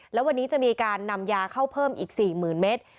แล้ววันนี้จะมีการนำยาเข้าเพิ่มอีก๔๐๐๐เมตร